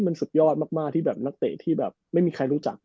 มันสุดยอดมากที่แบบนักเตะที่แบบไม่มีใครรู้จัก